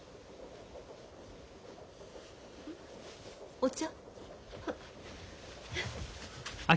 お茶？